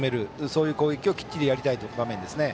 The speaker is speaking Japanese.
そういう攻撃をきっちりやりたい場面ですね。